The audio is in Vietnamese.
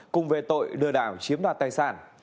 cùng về tội đưa đảo chiếm đoạt tài sản